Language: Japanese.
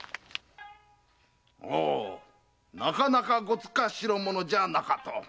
おおなかなかごつか代物じゃなかと。